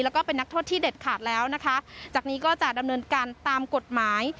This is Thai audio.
แล้วก็เป็นนักโทษที่เด็ดขาดแล้วนะคะจากนี้ก็จะดำเนินการตามกฎหมาย